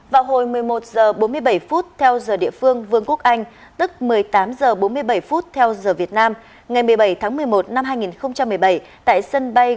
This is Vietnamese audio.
vào hồi một mươi một h bốn mươi bảy phút theo giờ địa phương vương quốc anh tức một mươi tám h bốn mươi bảy phút theo giờ việt nam ngày một mươi bảy tháng một mươi một năm hai nghìn một mươi bảy tại sân bay